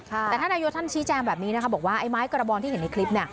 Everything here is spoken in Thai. แต่ท่านนายกท่านชี้แจงแบบนี้นะคะบอกว่าไอ้ไม้กระบองที่เห็นในคลิป